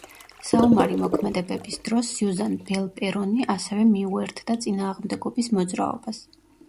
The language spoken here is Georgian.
საომარი მოქმედებების დროს სიუზან ბელპერონი ასევე მიუერთდა წინააღმდეგობის მოძრაობას.